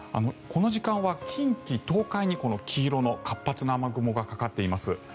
この時間は近畿、東海に黄色の活発な雨雲がかかっています。